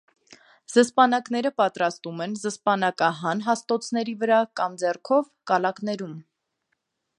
Զսպանակները պատրաստում են զսպանակահան հաստոցների վրա կամ ձեռքով՝ կալակներում։